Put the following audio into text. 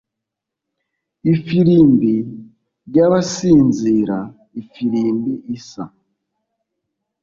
Ifirimbi y'abasinzira ifirimbi isa